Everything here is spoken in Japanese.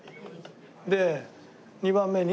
で２番目に。